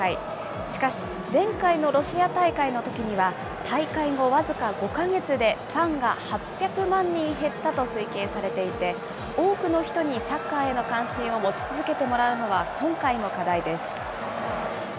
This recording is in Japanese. しかし、前回のロシア大会のときには、大会後僅か５か月でファンが８００万人減ったと推計されていて、多くの人にサッカーへの関心を持ち続けてもらうのは、今回も課題です。